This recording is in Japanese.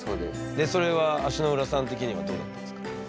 でそれは足の裏さん的にはどうだったんですか？